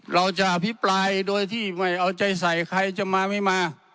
เราจะอภิปรายโดยที่ไม่เอาใจใส่ใครจะมาไม่มา